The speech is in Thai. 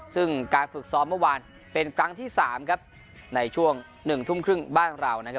ซึ่งการฝึกซ้อมเมื่อวานเป็นครั้งที่สามครับในช่วงหนึ่งทุ่มครึ่งบ้านเรานะครับ